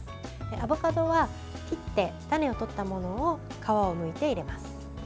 アボカドは切って種を取ったものを皮をむいて入れます。